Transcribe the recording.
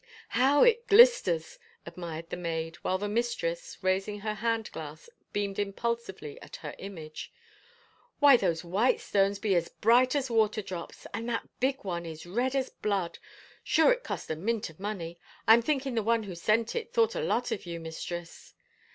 " How it glisters I " admired the maid, while the mis tress, raising her hand glass, beamed impulsively at her image. " Why those white stones be as bright as water drops — and that big one is red as blood. Sure, it cost a mint of money. I am thinking the one who sent it thought a lot of you, mistress."